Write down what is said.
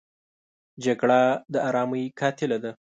جګړه د آرامۍ قاتله ده